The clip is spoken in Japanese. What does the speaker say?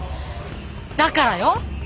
だからよ。